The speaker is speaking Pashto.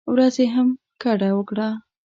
ورځې هم ګډه وکړه.